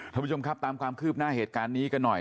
ท่านผู้ชมครับตามความคืบหน้าเหตุการณ์นี้กันหน่อย